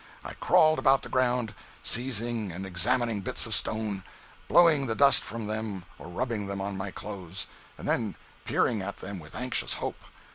I crawled about the ground, seizing and examining bits of stone, blowing the dust from them or rubbing them on my clothes, and then peering at them with anxious hope.